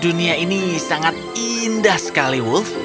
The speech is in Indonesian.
dunia ini sangat indah sekali wolf